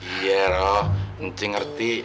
iya roh cing ngerti